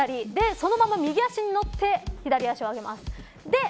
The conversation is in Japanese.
そのまま右足に乗って左足を上げます。